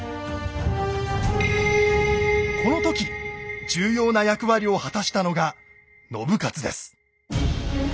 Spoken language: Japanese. この時重要な役割を果たしたのが信雄です。